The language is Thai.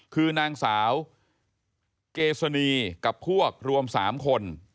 คือนางสาวเกษณีกับพวกรวม๓คน